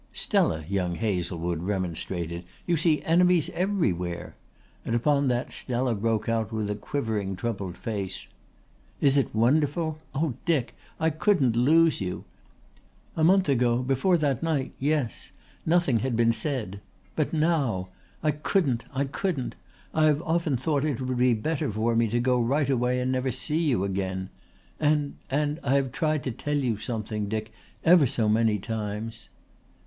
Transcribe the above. "Stella," young Hazlewood remonstrated, "you see enemies everywhere," and upon that Stella broke out with a quivering troubled face. "Is it wonderful? Oh, Dick, I couldn't lose you! A month ago before that night yes. Nothing had been said. But now! I couldn't, I couldn't! I have often thought it would be better for me to go right away and never see you again. And and I have tried to tell you something, Dick, ever so many times."